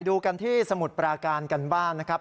ดูกันที่สมุทรปราการกันบ้างนะครับ